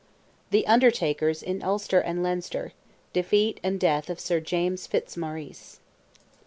THE "UNDERTAKERS" IN ULSTER AND LEINSTER—DEFEAT AND DEATH OF SIR JAMES FITZMAURICE.